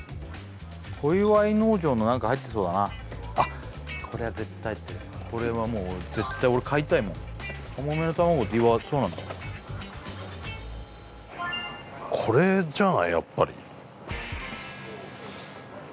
小岩井農場の何か入ってそうだなあっこれは絶対入ってるこれはもう絶対俺買いたいもんかもめの玉子ってそうなんだこれじゃない？